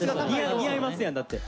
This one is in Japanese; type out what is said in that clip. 似合いますやんだって。